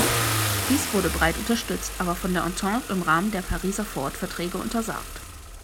Dies wurde breit unterstützt, aber von der Entente im Rahmen der Pariser Vorortverträge untersagt.